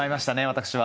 私は。